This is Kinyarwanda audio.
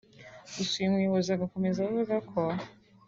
Gusa uyu muyobozi agakomeza kuvuga ko